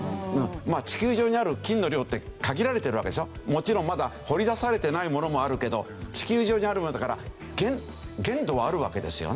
もちろんまだ掘り出されてないものもあるけど地球上にあるものだから限度はあるわけですよね。